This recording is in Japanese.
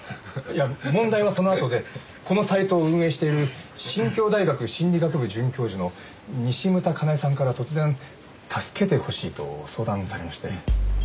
いや問題はそのあとでこのサイトを運営している新京大学心理学部准教授の西牟田叶絵さんから突然助けてほしいと相談されまして。